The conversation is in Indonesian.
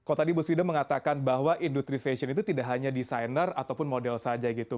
banyak yang diperhatikan ada yang mengatakan bahwa industri fashion itu tidak hanya desainer ataupun model saja gitu